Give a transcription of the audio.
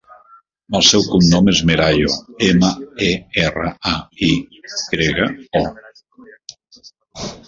El seu cognom és Merayo: ema, e, erra, a, i grega, o.